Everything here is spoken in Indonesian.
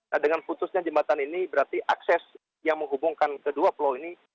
nah dengan putusnya jembatan ini berarti akses yang menghubungkan kedua pulau ini